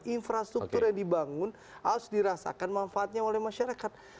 infrastruktur yang dibangun harus dirasakan manfaatnya oleh masyarakat